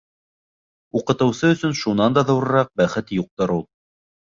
Уҡытыусы өсөн шунан да ҙурыраҡ бәхет юҡтыр ул!